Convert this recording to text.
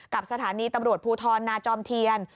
สถานีตำรวจภูทรนาจอมเทียน